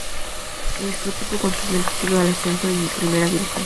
Su equipo consiguió el título y el ascenso a Primera División.